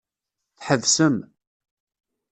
Tḥebsem.